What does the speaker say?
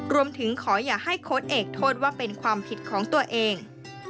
รวมถึงขออย่าให้โค้ดเอกโทษว่าเป็นความผิดของตัวเอง